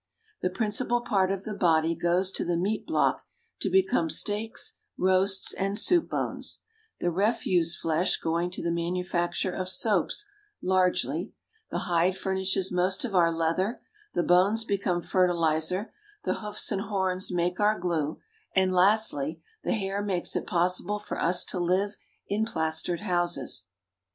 The principal part of the body goes to the meat block to become steaks, roasts and soup bones; the refuse flesh going to the manufacture of soaps largely; the hide furnishes most of our leather, the bones become fertilizer, the hoofs and horns make our glue, and lastly, the hair makes it possible for us to live in plastered houses.